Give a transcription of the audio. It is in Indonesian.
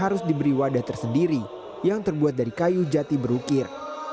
al quran ini juga beriwadah tersendiri yang terbuat dari kayu jati berukir